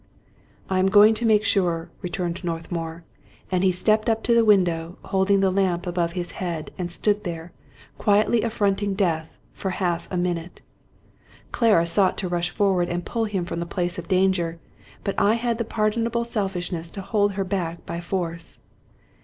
" I am going to make sure," returned Northmour ; and he stepped up to the window, holding the lamp above his head, and stood there, quietly affronting death, for half a minute. Clara sought to rush forward and pull him from the place of danger ; but I had the pardonable selfishness to hold her back by force.